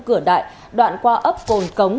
cửa đại đoạn qua ấp cồn cống